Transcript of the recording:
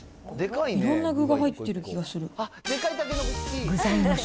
いろんな具が入ってる気がする。